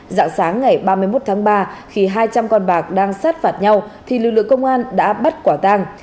dạng sáng ngày ba mươi một tháng ba khi hai trăm linh con bạc đang sát phạt nhau thì lực lượng công an đã bắt quả tang